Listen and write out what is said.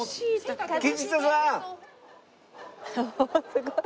すごい！